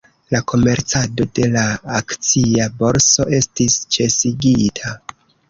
La komercado de la akcia borso estis ĉesigita.